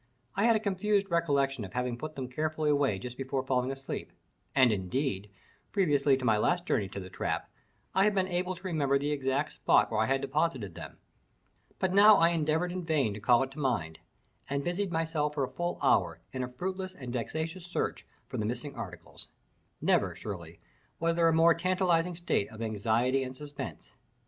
I had a confused recollection of having put them carefully away just before falling asleep; and, indeed, previously to my last journey to the trap, I had been able to remember the exact spot where I had deposited them. But now I endeavored in vain to call it to mind, and busied myself for a full hour in a fruitless and vexatious search for the missing articles; never, surely, was there a more tantalizing state of anxiety and suspense.